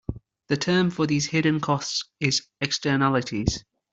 The term for these hidden costs is "Externalities".